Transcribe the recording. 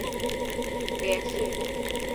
网站与其频道和不同赛事的网络有紧密联系。